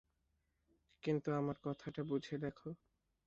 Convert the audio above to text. কিন্তু আমার কথাটা বুঝে দেখো।